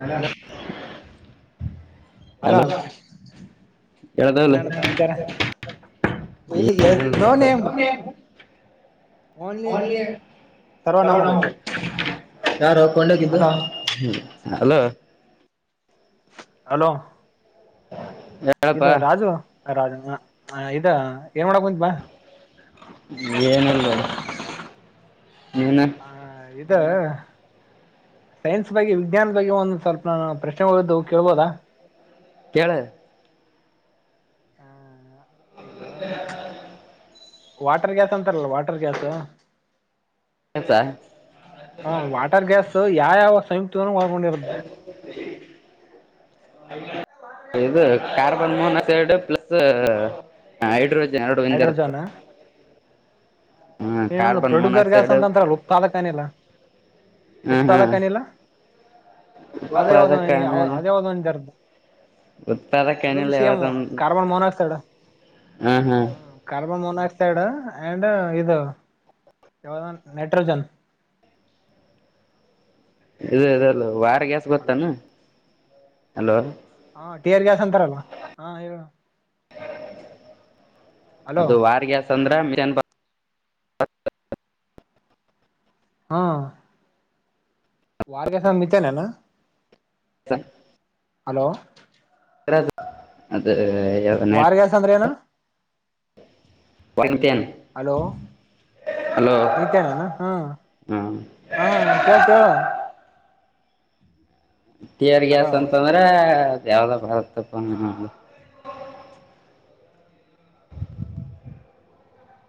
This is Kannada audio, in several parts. ಹಲೋ ಹಲೋ ಎಡದಾವಲ್ಲ ಏನಣ್ಣ ಸಮಾಚಾರ ನೋ ನೇಮ್ ಓನ್ಲಿ ೋ ಸರ್ವನಾಮಗಳು ಯಾರು ಕೊಂಡೋಗಿದ್ದು ಹ ಹಲೋ [inaudible] ಹಲೋ ಹಲೋ ಹ [inaudible] ಇದು ರಾಜು ರಾಜು ಇದ ಏ ಮಾಡಡ ಕೊಪ್ಪಾ [unintelligible] ಏನಿಲ್ಲ ನೀನು ಹ ಅ ಸೈನ್ಸ್ ಬಗ್ ವಿಜ್ಞಾನ ಬಗ್ಗೆ ಒಂದು ಸ್ವಲ್ಪ ನಾನು ಪ್ರಶ್ನೆಗಳ್ದ ಕೇಳ್ಬೋದಾ ಕೆಳ ಹಾ ಆ ಈಗ ವಾಟರ್ ಗ್ಯಾಸ್ ಅಂತಾರಲ್ಲ ವಾಟರ್ ಗ್ಯಾಸ್ ಆಯ್ತಾ ಹ ವಾಟರ್ ಗ್ಯಾಸ್ ಯಾವ ಯಾವಾವಸ್ ಮಾಡೊಂಡ [inaudible] ಇದು ಕಾರ್ಬನ್ ಮೋನಕ್ಸೈಡ್ ಪ್ಲಸ್ ಹೈಡ್ರೋಜನ್ ಎರಡು ಒಂದಿರುತ್ತೆ ಹೈಡ್ರೋಜನ್ ಹ್ಮ ಏನಂದು ಕಾರ್ಬನ್ ಪ್ರೊಡ್ಯೂಸರ್ ಗ್ಯಾಸ್ ಮೊನಾಕ್ಸೈಡ್ ಅಂತಂತ ಉಪ್ತಾದಕ್ಕನಿಲ್ಲ - ಹ್ಮ ಹಾ ಉಪ್ತಾದಕ್ಕನಿಲ್ಲ ಅದೇ ಯಾವದ ಉತ್ಪಾದಕ ಅದೇ ಯಾವದ ಒಂದು ಜರ್್ದ ಉತ್ತದಕ್ಕನಲ್ಲ ತ ಕಾರ್ಬನ್ ಮೋನಾಕ್ಸೈಡ್ ಹ ಹ್ಮ್ಮ್ ೆಡು ಅಂಡ್ ಇದು [inaudible] ಯಾವ್ದು ನೈಟ್ರೋಜನ್ ಇದು ಇದಲ್ಲ ಗ್ಯಾಸ್ ಹಲೋ ಗೊತ್ತಾನ ಹಲೋ ಆರ್ ಗ್ಯಾಸ್ ಅಂತಾರಲ್ಲ ಹಾ ಹೇಳ ಅದು ವಾರಗ್ಯಸ್ ಅಂದ್ರೆ ಚನ್ಪ [inaudible] ಹಾ ವಾರಗಾಸ ಅಂದ್ರೆ ಮಿತಾನೆ ಏನು ಸರಿ ಹಲೋ ಅದೇ ವಾರ್ಗಸ ಅಂದ್ರ ಏನು ಹಲೋ ಹಲೋ ಮೀತ್ಯನಾ ಹಾ ಹಾಂ ಹಾ ಕೇಳುತ್ತೆ ಹೇಳು ಟಿಯರ್ ಹಲೋ ಗ್ಯಾಸ್ ಅಂತದ್ರೆ ಯಲೋ ಪರತೆಪ್ಪಣ [unintelligible]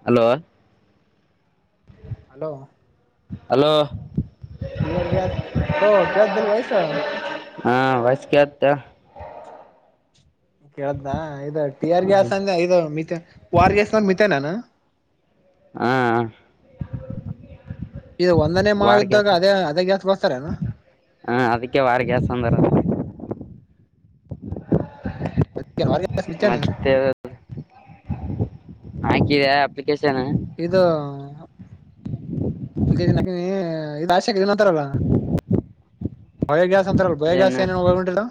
hello hello hello hair gas hello ಕೇಳ್ಸ್ತೀಲ್ಲ ವಾಯ್ಸ್ ಹಾ ವಾಯ್ಸ್ ಕೇಳ್ಸ್ತಾ ಹೇಳ್ ಕೇಳುತ್ತ ಇದು ಟಿ ಆರ್ ಗ್ಯಾಸ್ ಅಂದ್ರೆ ಇದು ಮಿತೆನ್ ವ ಆರ್ ಗ್ಯಾಸ್ ಅಂದ್ರೆ ಮಿತಾನೆಯನು ಹಾ ಇದು ಒಂದನೇ ಮಾಡಿದ್ದಾಗ ಅದೇ ಅದ ಗ್ಯಾಸ್ ಬರ್ತರೇನು ಹಾಂ ಅದಕ್ಕೆ ವಾರ್ ಗ್ಯಾಸ್ ಅಂದ್ರ ಅ [inaudible] ಮತ್ತ ಹಾಕಿದೆ ಅಪ್ಲಿಕೇಶನ್ ಇದು ಅಪ್ಲಿಕೇಶ ನಕ ನೀ ಇಾ ಂತರಲ್ಲ ಬಳಗೆ್ಯಸ್ ಬಯಗಾಸ ಏನು ಏಗಡಾ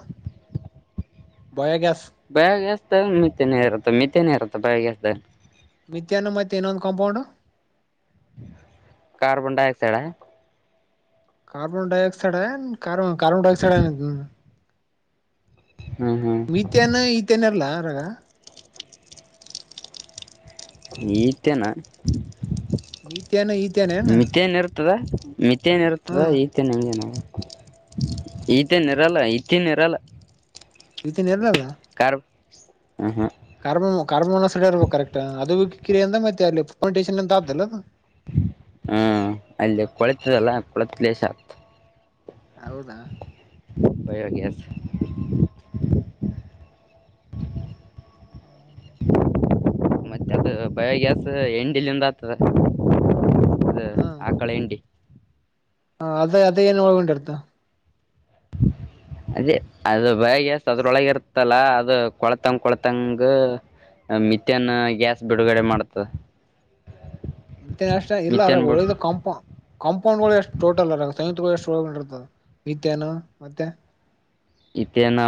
ಬಯಗಸ್ ಬಯಗ್ಯಸ್ತ ಮೀಥೆನರತ ಮಿತ್ತೆನರತ ಬಯಗೆ್ಯಸ್್ದ ಮಥ್ಯಾ್ನ ಮತ್ತೆ ಇನೊಂದು ಕಾಂಪೌಂಡು ಕಾರಾರ್ಬನ್ ಡೈಆಕ್ಸೈಡ್ ಹ ಕಾರಾರ್ಬನ್ ಡೈಆಕ್ಸೈಡ್ ಕಾರ ಕಾರಾರ್ಬನ್ ಡೈಕ್ಸೈಡ್ ಹ್ಞೂ ಹ್ಞೂ ಮಥಾನ ಈತನಲ್ಲಾ [inaudible] ಈತೆನ ಮತ್ಯಾನ ಇತ್ಯಾನನಾ ತದೆ ಮಿತ್ತ ಏನಿರುತ್ತದ ಈತೆ ನಮಗೆೇ ನಾವು ಈತೆ ನಿರಲ್ಲ ಇತಿ ನಿರಲ್ಲ ಈತನ್ ಇರ್ಲಲ್ಲ ಕಾರ ಹ ಹ ಕಾರ್ಬೋ ಕಾರ್ಬೊ ಮೊನಾಕ್ಸೈಡ್ ಇರ್ಬೇಕು ಕರೆಕ್ಟ್ ಅದು ಕಿರಿ ಅಂತ ಮತ್ತೆ ಅಲ್ಲಿ ಟೇಷನ್ ಅಂತ ಆದ್ದಲ್ಲ ಅದು ಹ್ಮ್ ಅಲ್ಲಿ ಕೊಳೆತದಲ್ಲ ಕೊಳೆತ್ ಕ್ಲೇಶ ಆಗ್ತ ಹೌದಾ ಬಯಾರಗೆ ಹ್ಮ ಮತ್ತೆ ಅದು ಬಯೋಗ್ಯಾಸ್ ಎಂಡಲ್ಲಿಂದ ಆಗ್ತದೆ ಅದ ಆ ಕಳ ಎಂಡಿ ಹ ಅದ ಅದ ನ್ ಒಳಗೊಂಡ ಅಡ್ತಾ ಅದೇ ಅದು ಬಯ ಗ್ಯಾಸ್ ಅದ್ರೊಳಗ ಇರ್ತ್ತಲ್ಲ ಅದು ಕೊಳತಂಗ ಕೊಳತಂಗ ಮತ್ಯನ್ ಗ್ಯಾಸ್ ಬಿಡುಗಡೆ ಮಾಡ್ತದ ಮ ಇಲ್ಲ ಅರ ಒಳ್ಳ ಕಂಪ ಕಾಂಪೌಂಡ್ಗಳು ಎಷ್ಟು ಟೋಟಲ್ ಅರ ಸಂತ್ಗಳು ಎ ರ್ತದೆ ನಿತ್ಯನ ಮತ್ತೆ ಇತ್ತನ್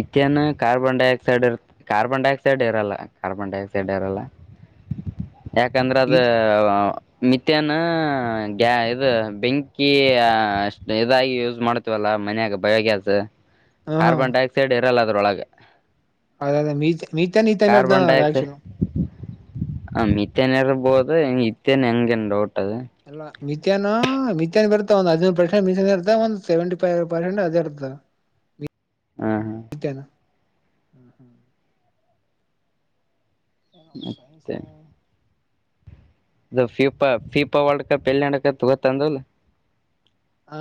ಇತ್ತೇನು ಕಾರ್ಬನ್ ಡೈಆಕ್ಸೈಡ್ ಇರ್ ಕಾರ್ಬನ್ ಡೈಆಕ್ಸೈಡ್ ಇರಲ್ಲ ಕಾರ್ಬನ್ ಡೈಆಕ್ಸೈಡ್ ಇರಲ್ಲ ಯಾಕಂದ್ರೆ ಅದು ಮಿಥಾನ ಗ್ಯಾ ಇದು ಬೆಂಕಿ ಅಷ್ಟ್ ಇದಾಗಿ ಯೂಸ್ ಮಾಡ್ತೀವಲ್ಲ ಮನ್ಯಾಗ ಬಯ ಗ್ಯಾಸ್ ಸ ಹಾ ಕಾರ್ಬನ್ ಡೈಆಕ್ಸೈಡ್ ಇರಲದು ಅದರೊಳಗೆ ಅದೇ ಅದೇ ಮ ಮತ ನೀತನೋ್ದ ಆಕ್ಷ ಹ ಮತ್ತನ್ ಇರ್ಬೋದು ಇತ್ತನ್ ಹೆಂಗಗೆನ್ ಕೊದೆ ಮಿ್ಯಾ್ ಮಿಥ್ಯಾನ್ ಬರುತ್ತೆ ಒಂದ ಹದನೂರು ಪರ್ಸೆಂಟ್ ಮಿಸಾನಿ ಇರ್ತಾ ಒಂದು ಸೆವೆಂಟಿ ಫೈವ ಪರ್ಸೆಂಟ್ ಅದ ಇರ್ತ್ತ ಹ್ಮ ಹಾ ಹ್ಮ್ ಹ್ಮ್ ಸೈನ್ಸ್ ಮತ್ತೆ ನ ಇದು ಫೀಫಾ ಫೀಫಾ ವರ್ಲ್ಡ್ ಕಪ್ ಎಲ್ಲಿ ನಡಕ ತಗೊತ್ತ ಅಂದಲ್ ಹಾ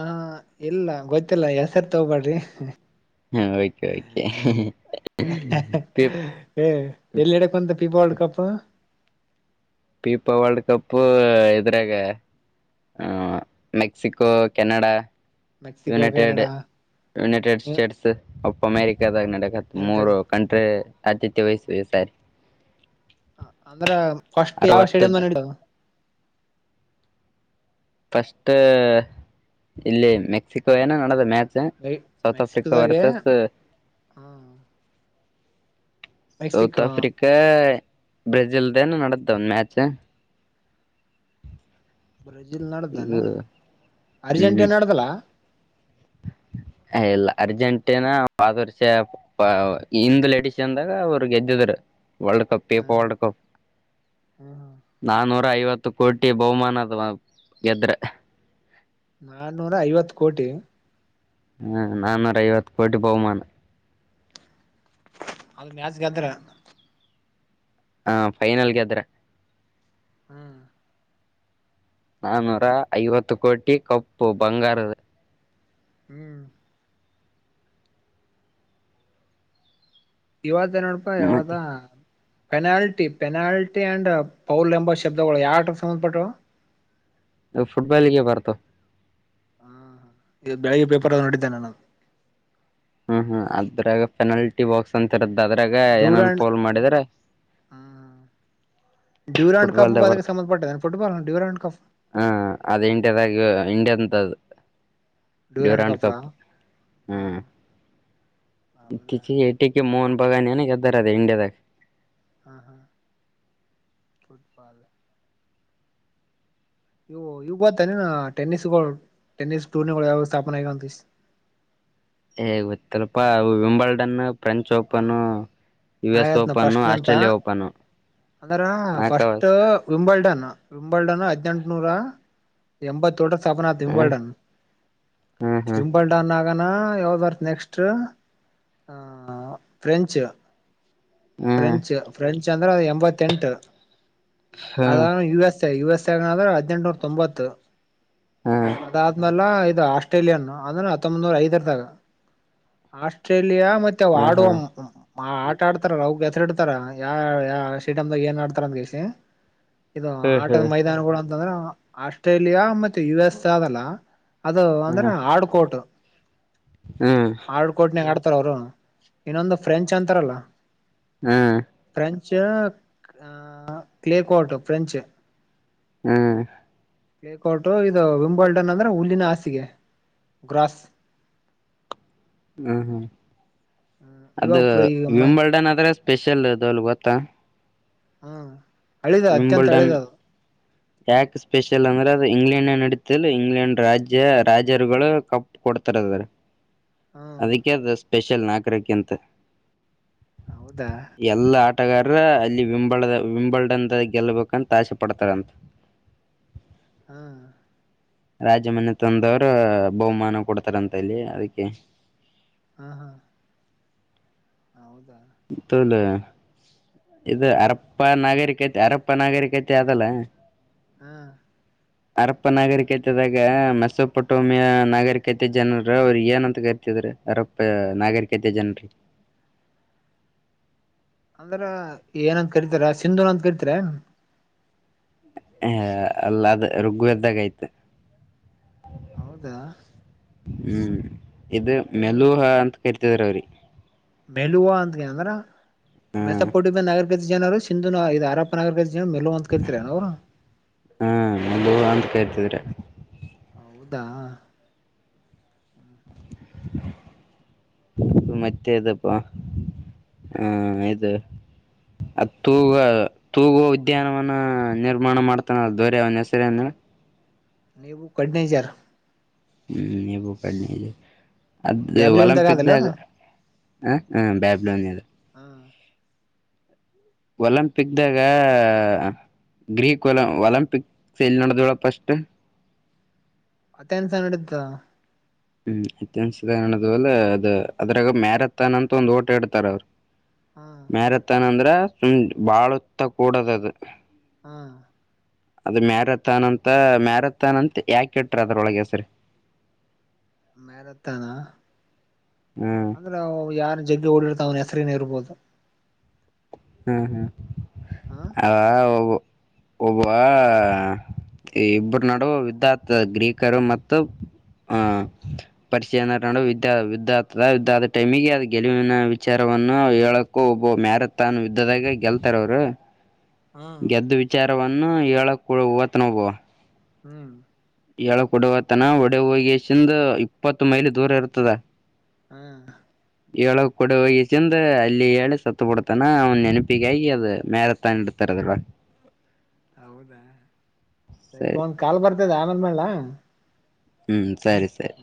ಇಲ್ಲ ಗೊತ್ತಿಲ್ಲ ಹೆಸರ್ ತಗಬಾಡ್ರಿ ಹ್ಮ್ ಓಕೆ ಓಕೆ ಪೀಪ್ ಹ ಎಲ್ಲಿಡಕ್ಕಂತ ಪಿಪಾಳ್ ಕಪ್ಪ ಪೀಪ ವರ್ಲ್ಡ್ ಕಪ್ಪು ಇದ್ರಾಗ Mexico Canada Mexico United Canada United States ಅಮೇರಿ ದಾಗ ನಡಕತ್ ಯುನೈಟೆಡ್ ಮೂರು ಕಂಟ್ರಿ ಆದದಕ್ಕೆ ವಯಸ್ಸುವಯ ಸಾರ ಕಷ್ಟು ಯಾವ ಸೇಡಿಯ್ ನಡ ಫಸ್ಟ್ ಇಲ್ಲಿ ಮೆಕ್ಸಿಕೋ ಏನೋ ನಡದ ಮ್ಯಾ ಸೌತ್ ಆಫ್ರಿಕಾ ಮೆಕ್ಸಿಕೋದಾಗೆ ವರ್ಸಸ್ ಹ ಸೌತ್ ಮೆಕ್ಸಿಕೋ ಆಫ್ರಿಕಾ ಬ್ರೆಜಿಲ್ದನು ನ್ದ ಒಂದು ಮ್ಯಾಚ್ ಬ್ರೆಜಿಲ್ ಈಗ ನಡ್ದಾನ ಅರ್ಜೆಂಟೀನಾ ಹ್ಮ್ ನಡ್ದಲ ಇಲ್ಲ ಅರ್ಜೆಂಟೀನಾ ಆದ ವರ್ಷ ಹಂದು್ ಲಲೆಡಿಸ್ ಅಂದಾಗ ಅವರು ಗೆದ್ದಿದರು ವರ್ಲ್ಡ್ ಕಪ್ ಹ ಪೀಪ ವರ್ಲ್ಡ್ ಕಪ್ ಹ ನಾನೂರು ನರ ಐವತ್ತು ಕೋಟಿ ಬಹುಮಾನದ ಗೆದ್ರೆ ನಾನೂರ ಐವತ್ತು ಕೋಟಿ ಹ್ಮ ನಾಾನೂರ ಐವತ್ತು ಕೋಟಿ ಬಹುಮಾನ ಮಾಜಗಾದ್ರ ಹಾ ಫೈನಲ್ಗೆದ್ರ ಹ್ಮ್ ನಾನೂರ ಐವತ್ತು ಕೋಟಿ ಕಪ್ಪು ಬಂಗಾರದ ಹ್ಮ್ ಇವಾಗ ನೋಡಪಾ ಮತ್ತೆ ಯಾವದಾ ಪೆನಾಲ್ಟಿ ಪೆನಾಲ್ಟಿ ಅಂಡ್ ಪೌಲ್ ಎಂಬ ಶಬ್ದಗಳು ಯಾರಟ ಸಂಬಂಧಪಟ್ಟರು ಫುಟ್ಬಾಲ್ಿಗೆ ಬರ್ತು ಹ್ಮ ಈ ಬೆಳಿಗ್ಗೆ ಪೇಪರ್ ನೋಡಿದ್ದೇನೆ ನಾನು ಹ್ಮ ಅದ್ರಾಗ ಪೆನಲ್ಟಿ ಬಾಕ್ಸ್ ಅಂತರದ್ದ. ಅದ್ರಾಗ ಏನನ್ ಡ್ಯೂರಾಂಡ್ ಪೋಲ್ ಮಾಡಿದ್ರ. ಡ್ಯೂರಾಂಡ್ ಕಪ್ ಫುಟ್ಬಾಲ್ದ ಅದಕ್ಕೆ ಬರ್ತು ಸಂಬಂಧಪಟ್ಟದ ಫುಟ್ಬಾಲ್ ಡ್ಯೂರಾಂಡ್ ಕಪ್ ಹ ಅದ ಇಂಡಿಯದಾಗ ಇಂಡಿಯ ಅಂತದು. ್ಯೂರಾನ್ ಕಪ್ ಹಾ ಹ್ಮ್. ಹೌದಾ ಎಟಿ. ಈ ಮೋಹನ್ ಬಗಾನನ ಕದರ ಅದೆ ಇಂಡಿಯ ತ. ಹಾ ಹಾ ುಟ್ಬಾಲ್. ಇವು ಇವ ಬತ್ತಾನ ನ ಟೆನಿಸ್ಗಳು ಟೆನಿಸ್ ಟೂರ್ನಿಗಳು ಯಾವಾಗ ಸ್ಥಾಪನ ಆಗಂತ. ಹೇಗ್ ಗೊತ್ತಲ್ಪಾ ವಿಂಬಾಡನ್. ಹಾ ನ ಆತ್ನ ಓಪನ್ ಫಸ್ಟ್ ಅಂತ ಆಸ್ಟ್ರೇಲಿಯಾ ಓಪನ್ ಅಂದ್ರ ಹಾಕವ ಫಸ್ಟ್ ವಿಂಬಲ್ಡನ್. ವಿಂಬಲ್ಡನು ಹದ್ಿನೆಂಟುನೂರ ಎಂಬತ್ತು. ತೋಟ ಸ್ಥಾಪನಾ ಹ್ಮ್ ವಿಂಂಬಲ್ಡನ್ ಹ್ಮ್ ಹ್ಮ್ ವಿಮಂಬಲ್ಡನ್ ನ. ಆಗಾನ ಯಾವ್ದರ್ತ್ ನೆಕ್ಸ್ಟ್ ಆಹ. ಪ್ರಫ್ರೆಂಚ್. ಹ್ಮ್ ಫ್ರೆಂಚ್ ಫ್ರೆಂಚ್ ಚಂದ್ರ ಎಂಬತ್ತೆಂಟು. ಹ್ಮ್ ಅ ಹ್ಮ್ U S I U S. ್ರೆ ಹದ್ೆಂಟನೂರ ತೊಂಬತ್ತು. ಅದಾದ್ಮಲ್ಲ. ಆಸ್ಟ್ರೇಲಿಯಾ ಅಂದ್ರೆ ಹತ್ತೊಂಬನೂರ ಐದರದಾಗ ಆಸ್ಟ್ರೇಲಿಯಾ. ಮತ್ತೆ ವಾ. ಹ್ಮ್ ಹ್ಮ್ ಹ. ಆ ಆಟ ಆಡ್ತಾರ ಅವಗೆ ಹೆಸರಿಡ್ತಾರ ಯ ಯ ಸ್ಟೇಡಿಯಮ ದಾಗ ಏನ್ ಆಡ್ತಾರ ಅಂದ ಕಸ. ಇದು ಹ್ಮ್ ಆಟದ ಹ್ಮ್ ಮೈದಾನಗಳು. ಅಂದ್ರ ಆಸ್ಟ್ರೇಲಿಯಾ ಮತ್ತೆ ಯು ಎಸ್ ಆದಲ್ಲ. ಅದು ಹ್ಮ್ ಅಂದ್ರೆ ಆಡುಕೋಟು. ಹ್ಮ್ ಆಡುಡ್ಕೋಟ್ನ ಕತ. ಪತ್ರೌರುಣ. ಇನ್ನೊಂದು ಫ್ರೆಂಚ್ ಅಂತಾರಲ್ಲ. ಹ್ಮ್. French clay court French. ಹ್ಮ್. ಪ್ಲೇಕೌಟು ಇದು ವಿಂಬಲ್ಡನ್ ಅಂದ್ರೆ ಹುಲ್ಲಿನ ಹಾಸಿಗೆ ಗ್ರಾಸ್. ಹ್ಮ್ ಹ್ಮ್. ಅದು ಇವಾಗ ಈಗಮ್ಮ ವಿಂಬಲ್ಡನ್ ಅದ್ರೆ. ಸ್ಪೆಷಲ್ ಅದು ಅಲ್ಲಿ ಗೊತ್ತಾ ಹಾ ಅಳಿದ ಅತ್ಯಂತ ವಿಂಬಲ್ಡನ್ ಅಳೆದ ಅದು ಯಾಕೆ ಸ್ಪೆಷಲ್ ಅಂದ್ರೆ ಅದು ಇಂಗ್ಲೆಂಡ್ ನಡೀತಿಲ್ ಇಂಗ್ಲೆಂಡ್ ರಾಜ್ಯ ರಾಜರುಗಳು ಕಪ್ ಕೊಡ್ತಾರದಾರೆ ಹ್ಮ್ ಅದಕ್ಕೆ ಅಷ್ಟ ಸ್ಪೆಷಲ್ ನಾಲ್ಕರಕ್ಕೆಂತ ಹೌದಾ ಆಟಗಾರ ಅಲ್ಲಿ ವಿಂಬಳ ವಿಂಬಳದ ಗೆಲ್ಲಬೇಕಂತ ಆಸೆ ಪಡ್ತಾರಂತ ಹಾ ರಾಜಮಾನ ತಂದವ್ರ ಬಹುಮಾನ ಕೊಡತ ಹತರ ಅಂತ ಇಲ್ಲಿ ಅದಕ್ಕೆ ಹಾ ಹಾ ಹೌದಾ ತಲೆ ಇದು ಹಾ ಅರಪ್ಪ ನಾಗರಿಕ ಯರಪ್ಪ ನಾಗರಿಕತೆ ಅದಲ್ಲ ಹ್ಮ ಅರಪ್ಪ ನಾಗರಿಕತೆದಾಗ ಮೆಸೊಪಟೋಮಿಯ ನಾಗರಿಕತೆ ಜನರು ಅವರು ಏನಂತ ಕರಿತಿದ್ರ ಅರಪ್ಪ ನಾಗರಿಕತೆ ಜನರಿಗೆ ಅಂದ್ರ ಏನಂತ ಕರಿತಾರ ಸಿಂಧುನ ಅಂತ ಕರಿತಾರ ಹ ಅಲ್ಲ ಅದ ರುಗ್ುವ್ದಾಗ ಆಯ್ತು ಹೌದಾ ಹ್ಮ್ ಇದು ಮೆಲುಹ ಅಂತ ಇರ್ತಿದ್ರ ಅವ್ರೀ ಮಲುವ ಅಂತ ಏನಂದ್ರ ಹ್ಮ್ ಮಸಪೋಟಿ ನಗರ ಜನರು ಸಿಂಧು ಇದು ಅರಪ್ಪ ನಗರ ಮೇಲೋ ಬಂತ ಕತ ರನ ರ ಹ್ಮ್ ಮೆಲುಹ ಅಂತ ಕರಿತಿದ್ರು ಹೌದಾ ಮತ್ತೆ ಇದದಪ್ಪಾ ಹ ಇದು ಅ ತೂಗ ತೂಗುವ ಉದ್ಯಾನವನ ನಿರ್ಮಾಣ ಮಾಡ್ತಾನ ದೊರೆ ಅವನ ಹೆಸರು ಅಂದ್ರೆ ನೀವು ಕಡ್ನಜರ್ ನೀವೋ ಪಲ್ಲಿ ಅದ ಬ್ಯಾಬಿಲೋನ್ದಾಗ ಅದಲ್ಲ ಅದ ಒಲಂಪಿಕ್ದಾಗ ಹ ಹ ಬ್ಯಾಬ್ ಲನ ಹ ಒಲಂಪಿಕ್ ದಾಗ ಗ್ರೀಕ್ ಒಲ ಒಲಂಪಿಕ್ ಸೈಲ್ ನೋಡ್ದಳ ಪಸ್ಟ್ ಅತ್ತನ್ಸಾನಡ್ತಾ ಹ್ಮ್ ಇನ್ಸದವಲ್ಲ ಅದ ಅದ್ರಾಗ ಮ್ಯಾರಥಾನ್ ಅಂತ ಒಂದ್ ಓಟ ಇಡ್ತಾರ ಅವರು ಹ ಮ್ಯಾರಥಾನ್ ಅಂದ್ರೆ ಸುಮ್ ಬಾಳುತ್ತ ಕೂಡದ ಅದು. ಹಾ. ಅದು ಮ್ಯಾರಥಾನ್ ಅಂತ ಮ್ಯಾರಥಾನ್ ಅಂತ ಯಾಕಟ್ರ ಅದ್ರೊಳಗೆಸರಿ. ಮ್ಯರಥಾನ. ಹ್ಮ್ ಅಂದ್ರೆ ಯಾರ ಜಗ್ಗೆ ಓಡಿರ್ತಾವವ. ಅೇ ಇರ್ಬೋದು. ಹ್ಮ್ ಹ್ಮ್. ಹ ಅ. ಒಬ್ಬ ಇಬ್ಬರು ನಡುವ ಯುದ್ಧ ಆಗ್ತದ ಗ್ರೀಕರು ಮತ್ತು ಆಹ ಪರ್ಷಿಯನರ್ ನಡುವಿದ್ಯ ಯುದ್ಧ ಆಗ್ತದ ಯುದ್ಧ ಆದ ಟೈಮಿಗೆ ಅದ್ ಗೆಲುವಿನ ವಿಚಾರವನ್ನು ಹೇಳಕ್ಕ ಒಬ್ಬ ಮ್ಯಾರ. ತಾನು ಇದ್ದದಾಗ ಗೆಲ್ತಾರ ಅವರು. ಹ್ಮ್ ಗೆದ್ದು ವಿಚಾರ. ಹೇಳಕ್ ಕೂಡ ವತ್ ನೋವು. ಹ್ಮ್. ಎಕ್ ಕೊಡವತನ ಒಡೆ ಹೋಗಸಿಂದ ಇಪ್ಪತ್ತು ಮೈಲ್ ದೂರ ಇರ್ತದ. ಹ್ಮ್. ಏಳಕ್ ಕೂಡೆ ಹೋಗಿ ಚಿಂದ ಅಲ್ಲಿ ಹೇಳಿ ಸತ್ತು ಬಿಡ್ತಾನ ಅವನ್ ನೆನಪಿಗೆ ಆಗಿ ಅದು ಮ್ಯಾರಥಾನ್ ಇಡ್ತಾರದಲ್ವ. ಹೌದಾ ಸರಿ ಪ ಒಂದ ಕಾಲ್ ಬರ್ತ. ದ ಆಮನ ಮಲ್ಲ. ಹ್ಮ್. ಸರಿ ಸರಿ.